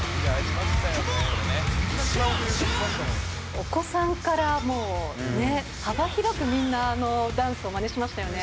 お子さんからもうね、幅広くみんな、ダンスをまねしましたよね。